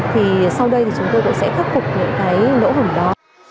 thì sau đây thì chúng tôi cũng sẽ khắc phục những cái lỗ hổng đó